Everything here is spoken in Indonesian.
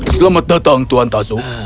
selamat datang tuan tazo